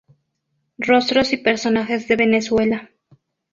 Rostros y Personajes de Venezuela.